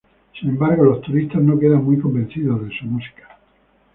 Sin embargo, los turistas no quedan muy convencidos de su música.